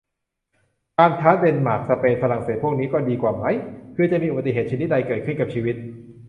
ตามชาร์ต เดนมาร์ก สเปน ฝรั่งเศส พวกนี้ก็ดีกว่าไหม คือจะมีอุบัติเหตุชนิดใดเกิดขึ้นกับชีวิต